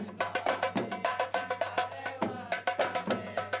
amang kelam banget bener sih bang datengnya